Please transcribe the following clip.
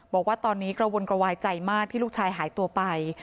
บอกว่าตอนนี้กระวนกระวายใจมากที่ลูกชายหายตัวไป